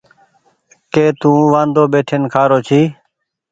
ڪي تو وآندو ٻيٺين کآرو ڇي۔